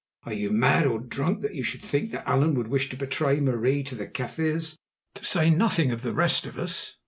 Are you mad or drunk that you should think that Allan would wish to betray Marie to the Kaffirs, to say nothing of the rest of us?"